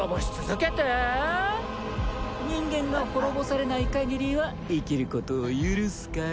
人間が滅ぼされない限りは生きることを許すから。